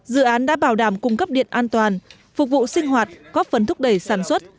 dự án đã bảo đảm cung cấp điện an toàn phục vụ sinh hoạt góp phấn thúc đẩy sản xuất